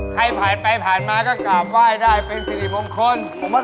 ใครผ่านไปผ่านมาก็กราบไหว้ได้เป็นสิริมงคล